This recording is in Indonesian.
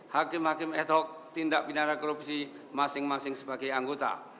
hakim hakim ad hoc tindak pidana korupsi masing masing sebagai anggota